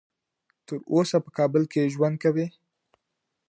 تر اوسه په کابل کې ژوند کوي.